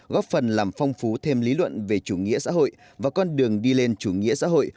góp phần làm phong phú thêm lý luận về chủ nghĩa xã hội và con đường đi lên chủ nghĩa xã hội